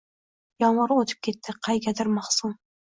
Yomg’ir o’tib ketdi qaygadir mahzun